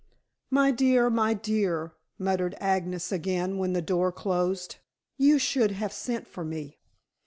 "My dear! my dear!" murmured Agnes again when the door closed. "You should have sent for me."